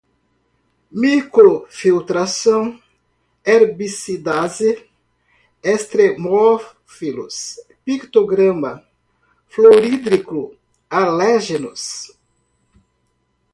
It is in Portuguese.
quelantes, entropia, microfiltração, herbicidase, extremófilos, pictograma, fluorídrico, alérgenos, venenoso